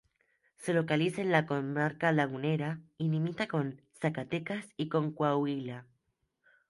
Se localiza en la Comarca Lagunera, y limita con Zacatecas y con Coahuila.